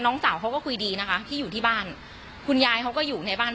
น้องสาวเขาก็คุยดีนะคะที่อยู่ที่บ้านคุณยายเขาก็อยู่ในบ้าน